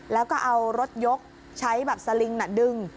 แล้วก็เอารถยกใช้แบบสลิงดึง